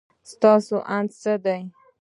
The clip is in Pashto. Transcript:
ستاسو اند څه دی؟